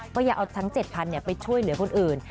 ก็อย่าเอาทั้ง๗๐๐ไปช่วยเหลือคนอื่น